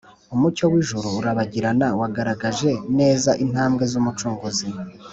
, umucyo w’ijuru urabagirana wagaragaje neza intambwe z’Umucunguzi